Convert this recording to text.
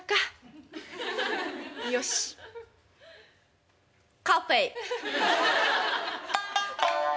よしカフェ」。